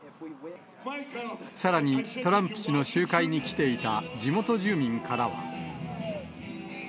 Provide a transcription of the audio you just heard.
さらに、トランプ氏の集会に来ていた地元住民からは。